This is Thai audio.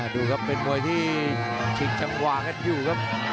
ดูครับเป็นมวยที่ชิงจังหวะกันอยู่ครับ